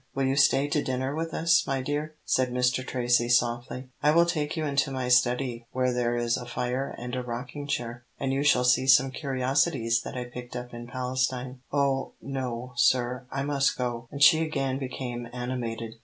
"Will you stay to dinner with us, my dear?" said Mr. Tracy, softly. "I will take you into my study where there is a fire and a rocking chair, and you shall see some curiosities that I picked up in Palestine." "Oh, no, sir, I must go," and she again became animated.